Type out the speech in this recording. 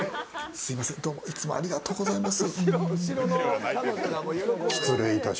すみません、いつもどうもありがとうございます。